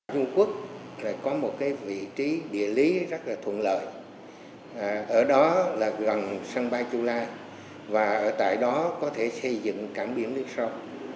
dung quốc có một vị trí địa lý rất thuận lợi ở đó gần sân bay chulalongkorn và tại đó có thể xây dựng cảng biển nước sông